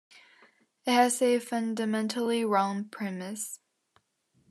It has a fundamentally wrong premise.